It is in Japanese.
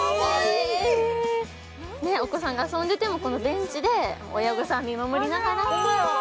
お子さんが遊んでても、ベンチで親御さんが見守りながら。